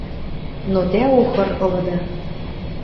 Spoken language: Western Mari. — Но тӓ охыр ылыда.